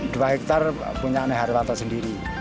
dua hektare punya herwanto sendiri